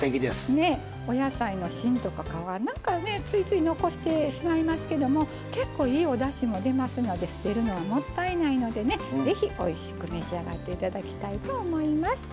お野菜の芯とか皮なんかねついつい残してしまいますけども結構いいおだしも出ますので捨てるのはもったいないのでね是非おいしく召し上がって頂きたいと思います。